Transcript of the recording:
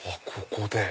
ここで。